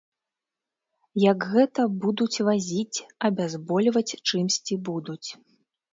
Як гэта будуць вазіць, абязбольваць чымсьці будуць.